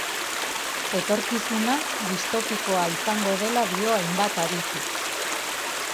Etorkizuna distopikoa izango dela dio hainbat adituk.